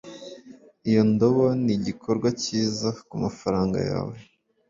Iyo ndobo nigikorwa cyiza kumafaranga yawe